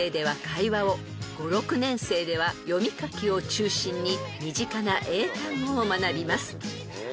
［５・６年生では読み書きを中心に身近な英単語を学びます］